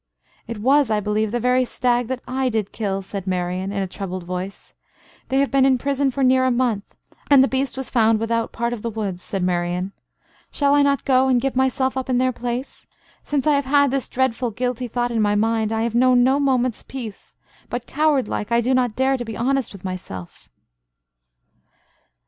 "It was, I believe, the very stag that I did kill," said Marian, in a troubled voice. "They have been in prison for near a month; and the beast was found without part of the woods," said Marian. "Shall I not go and give myself up in their place? Since I have had this dreadful guilty thought in my mind I have known no moment's peace; but, cowardlike, I do not dare to be honest with myself."